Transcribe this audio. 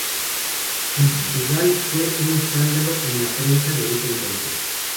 En Portugal fue un escándalo en la prensa de ese entonces.